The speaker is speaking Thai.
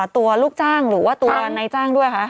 ตัวลูกจ้างหรือว่าตัวนายจ้างด้วยคะ